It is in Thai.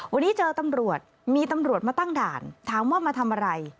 วันนี้เจอตำรวจมีตำรวจมาตั้งด่านถามว่ามาทำอะไร